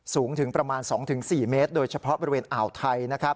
สูงถึงประมาณ๒๔เมตรโดยเฉพาะบริเวณอ่าวไทย